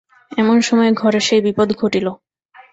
এমন সময় ঘরে সেই বিপদ ঘটিল।